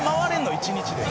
１日で。